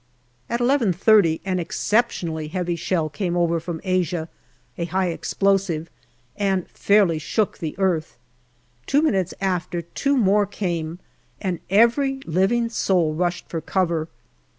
At 11.30 an exceptionally heavy shell came over from Asia (a high explosive) and fairly shook the earth. Two minutes after, two more came, and every living soul rushed for cover.